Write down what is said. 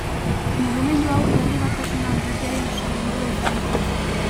Mugimendu hau Herri Batasuna alderdiaren sorburua izan zen.